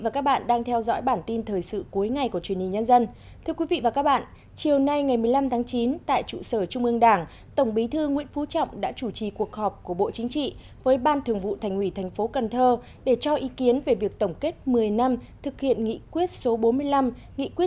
các bạn hãy đăng ký kênh để ủng hộ kênh của chúng mình nhé